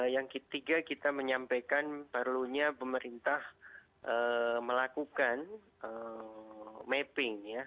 yang ketiga kita menyampaikan perlunya pemerintah melakukan mapping ya